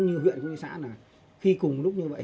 cái thứ hai cũng như huyện cũng như xã khi cùng lúc như vậy